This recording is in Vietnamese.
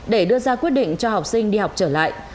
để đưa ra quyết định cho học sinh đi học trở lại